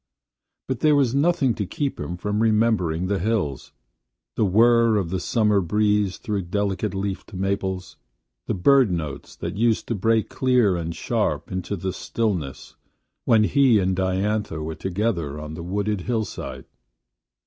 But there was nothing to keep him from remembering the hills; the whirr of the summer breeze through delicate leafed maples; the bird notes that used to break clear and sharp into the stillness when he and Diantha were together on the wooded hillside.